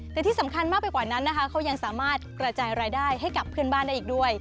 แต่ที่สำคัญมากไปกว่านั้นนะคะเขายังสามารถกระจายรายได้ให้กับเพื่อนบ้านได้อีกด้วย